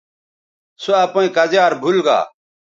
سو اپئیں کزیار بھول گا